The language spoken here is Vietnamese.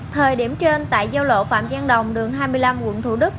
thời điểm trên tại giao lộ phạm giang đồng đường hai mươi năm quận thủ đức